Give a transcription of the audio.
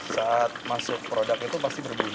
saat masuk produk itu pasti berbeda